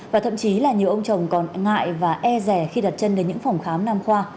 và thậm chí là nhiều ông chồng còn ngại và e rè khi đặt chân đến những phòng khám nam khoa